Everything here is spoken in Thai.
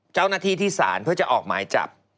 เจ้าหน้าที่ที่ศาลเพื่อจะออกหมายจับ